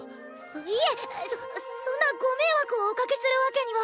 いえそそんなご迷惑をおかけするわけには。